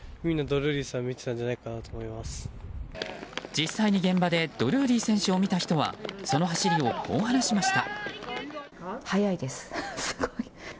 実際に現場でドルーリー選手を見た人はその走りをこう話しました。